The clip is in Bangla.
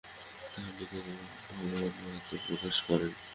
তাহার নিকটই ভগবান আত্মপ্রকাশ করেন।